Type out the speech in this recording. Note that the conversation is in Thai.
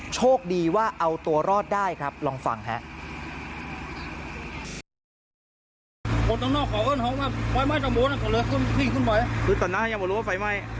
โชคดีว่าเอาตัวรอดได้ครับลองฟังครับ